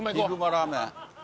ラーメン。